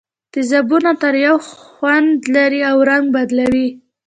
تیزابونه تریو خوند لري او رنګ بدلوي.